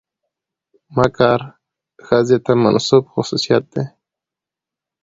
مکر ښځې ته منسوب خصوصيت دى.